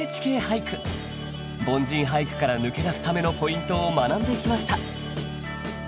凡人俳句から抜け出すためのポイントを学んできました